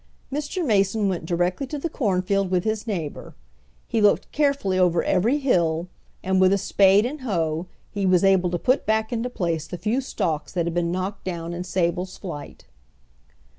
Mr. Mason went directly to the cornfield with his neighbor. He looked carefully over every hill, and with a spade and hoe he was able to put back into place the few stalks that had been knocked down in Sable's flight.